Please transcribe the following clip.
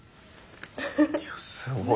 いやすごい。